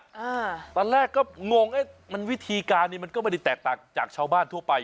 อ่าตอนแรกก็งงเอ๊ะมันวิธีการนี้มันก็ไม่ได้แตกต่างจากชาวบ้านทั่วไป